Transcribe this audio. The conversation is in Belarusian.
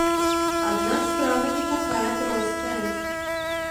Аднак справа не такая простая.